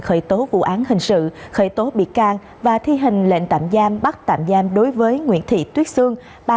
khởi tố vụ án hình sự khởi tố bị can và thi hành lệnh tạm giam bắt tạm giam đối với nguyễn thị tuyết sương